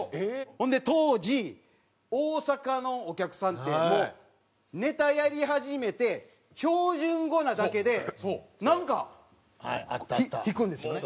ほんで当時大阪のお客さんってもうネタやり始めて標準語なだけでなんか引くんですよね。